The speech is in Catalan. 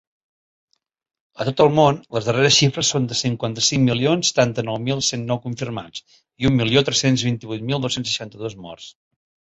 A tot el món, les darreres xifres són de cinquanta-cinc milions setanta-nou mil cent nou confirmats i un milió tres-cents vint-i-vuit mil dos-cents seixanta-dos morts.